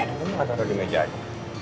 eh dong kita taro di meja aja